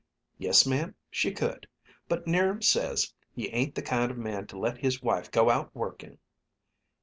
"Yes, ma'am, she could. But 'Niram says he ain't the kind of man to let his wife go out working."